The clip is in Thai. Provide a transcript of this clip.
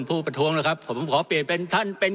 ประท้วงนะครับผมขอเปลี่ยนเป็นท่านเป็น